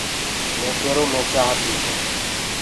مي ڪيرو مي چآنٚه پيٚسونٚ